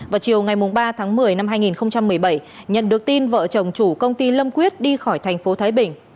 vào chiều ngày ba tháng một mươi năm hai nghìn một mươi bảy nhận được tin vợ chồng chủ công ty lâm quyết đi khỏi thành phố thái bình